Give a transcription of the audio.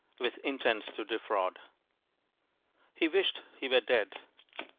WITH INTENT TO DEFRAUD He wished he were dead.